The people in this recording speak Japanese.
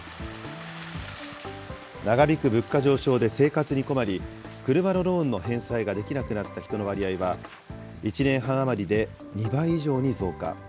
長引く物価上昇で生活に困り、車のローンの返済ができなくなった人の割合は１年半余りで２倍以上に増加。